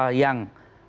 ada hal hal yang